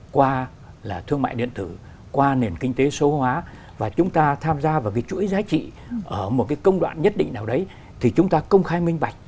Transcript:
qua thương mại điện tử qua nền kinh tế số hóa và chúng ta tham gia vào cái chuỗi giá trị ở một cái công đoạn nhất định nào đấy thì chúng ta công khai minh bạch